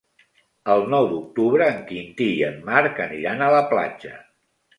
El nou d'octubre en Quintí i en Marc aniran a la platja.